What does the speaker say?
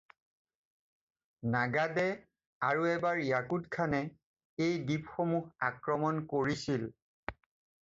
নাগাদে আৰু এবাৰ ইয়াকুত খানে এই দ্বীপসমূহত আক্ৰমণ কৰিছিল।